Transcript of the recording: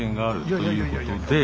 いやいやいやいや。